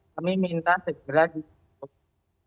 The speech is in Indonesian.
kami minta segera dihukum